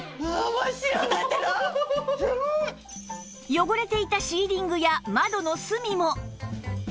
汚れていたシーリングや窓の隅も